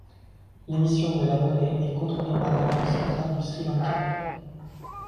L'émission de la monnaie est contrôlée par la Banque centrale du Sri Lanka.